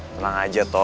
tenang aja tok